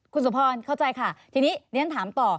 คุณสมพรเข้าใจค่ะทีนี้เรียนถามต่อ